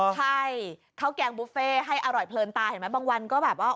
ใช่ข้าวแกงบุฟเฟ่ให้อร่อยเพลินตาเห็นไหมบางวันก็แบบว่า